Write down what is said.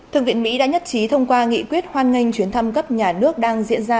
thượng viện mỹ đã nhất trí thông qua nghị quyết hoan nghênh chuyến thăm cấp nhà nước đang diễn ra